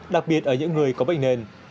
đặc biệt ở những người có bệnh nền